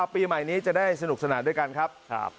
ปีใหม่นี้จะได้สนุกสนานด้วยกันครับ